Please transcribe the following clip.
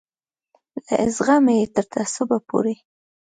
له زغمه یې تر تعصبه پورې.